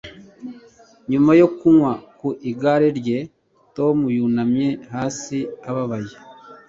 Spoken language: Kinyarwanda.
nyuma yo kugwa ku igare rye, tom yunamye hasi ababaye